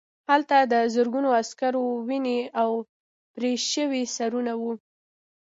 هلته د زرګونو عسکرو وینې او پرې شوي سرونه وو